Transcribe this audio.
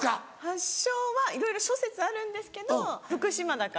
発祥はいろいろ諸説あるんですけど福島だか。